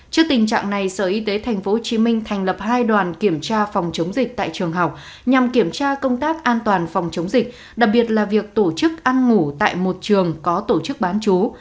trước tình trạng này sở y tế tp hcm thành lập hai đoàn kiểm tra phòng chống dịch tại trường học nhằm kiểm tra công tác an toàn phòng chống dịch đặc biệt là việc tổ chức ăn ngủ tại một trường có tổ chức bán chú